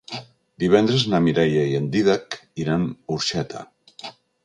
Divendres na Mireia i en Dídac iran a Orxeta.